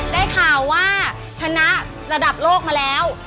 ได้ข่าวว่าชนะระดับโลกมาแล้ว